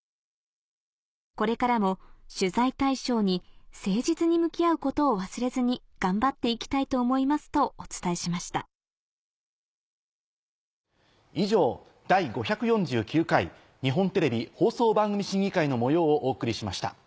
これからも取材対象に誠実に向き合うことを忘れずに頑張って行きたいと思います」とお伝えしました以上「第５４９回日本テレビ放送番組審議会」の模様をお送りしました。